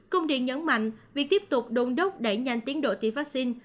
công điện nhấn mạnh việc tiếp tục đôn đốc đẩy nhanh tiến độ tiêm vaccine